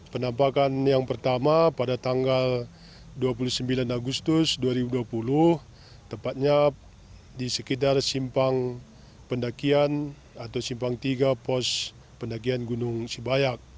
penampakan yang pertama pada tanggal dua puluh sembilan agustus dua ribu dua puluh tepatnya di sekitar simpang pendakian atau simpang tiga pos pendakian gunung sibayak